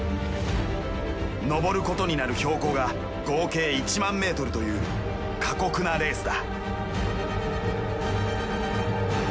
登ることになる標高が合計１万メートルという過酷なレースだ。